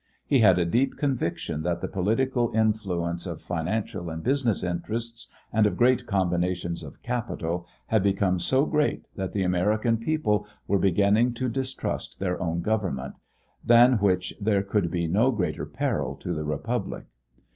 He had a deep conviction that the political influence of financial and business interests and of great combinations of capital had become so great that the American people were beginning to distrust their own Government, than which there could be no greater peril to the Republic.